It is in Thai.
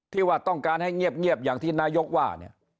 ที่ว่าต้องการให้เงียบอย่างที่นายกว่าเนี่ย